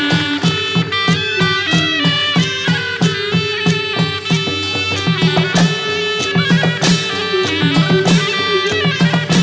วันนี้ขอบพระคุณอาจารย์อีกทีนะครับ